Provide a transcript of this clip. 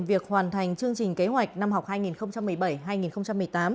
việc hoàn thành chương trình kế hoạch năm học hai nghìn một mươi bảy hai nghìn một mươi tám